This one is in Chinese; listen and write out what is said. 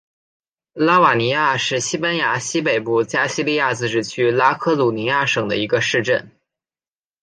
拉瓦尼亚是西班牙西北部加利西亚自治区拉科鲁尼亚省的一个市镇。